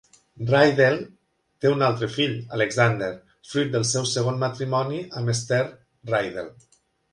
Rydell té un altre fill, Alexander, fruit del seu segon matrimoni amb Esther Rydell.